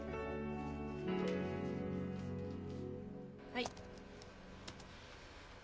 はい。